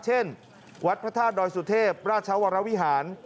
เช่นวัดพระธาตุดอยสุเทพราชวรวิหาร